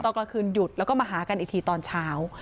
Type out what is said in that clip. ตอนกลางคืนหยุดแล้วก็มาหากันอีกทีตอนเช้า